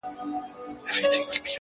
اوس مي د زړه پر تكه سپينه پاڼه;